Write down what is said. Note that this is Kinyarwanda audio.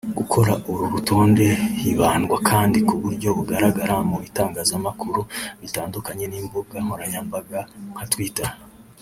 Gukora uru rutonde hibandwa kandi ku buryo bagaragara mu bitangazamakuru bitandukanye n’imbuga nkoranyambaga nka Twitter